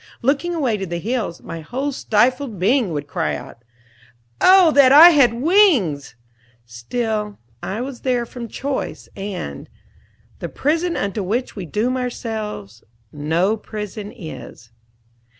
Looking away to the hills, my whole stifled being would cry out "Oh, that I had wings!" Still I was there from choice, and "The prison unto which we doom ourselves, No prison is."